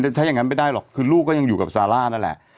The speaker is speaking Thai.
ถ้าอย่างนั้นไม่ได้หรอกคือลูกก็ยังอยู่กับซาร่านั่นแหละ